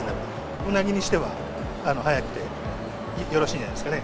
うなぎにしては、早くてよろしいんじゃないですかね。